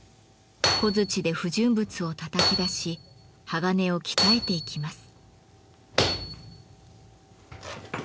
小づちで不純物をたたき出し鋼を鍛えていきます。